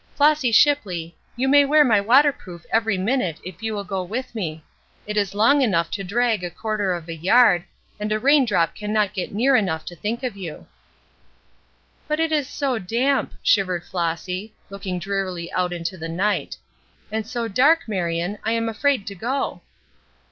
Flossy Shipley, you may wear my waterproof every minute if you will go with me. It is long enough to drag a quarter of a yard, and a rain drop can not get near enough to think of you. "But it is so damp," shivered Flossy, looking drearily out into the night, "and so dark, Marion, I am afraid to go."